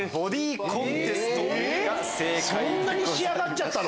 そんなに仕上がっちゃったの？